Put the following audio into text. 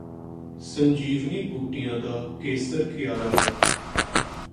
ਸੰਜੀਵਨ ਬੂਟੀਆਂ ਦਾ ਕੇਸਰ ਕਿਆਰਾ ਹੈ